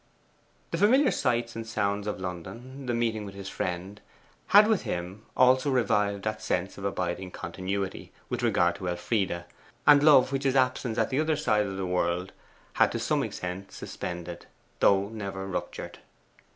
The familiar sights and sounds of London, the meeting with his friend, had with him also revived that sense of abiding continuity with regard to Elfride and love which his absence at the other side of the world had to some extent suspended, though never ruptured.